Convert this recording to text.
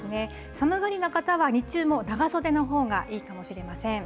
寒がりな方は、日中も長袖のほうがいいかもしれません。